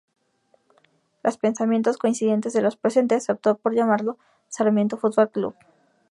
Tras pensamientos coincidentes de los presentes, se optó por llamarlo Sarmiento Football Club.